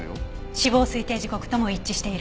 死亡推定時刻とも一致している。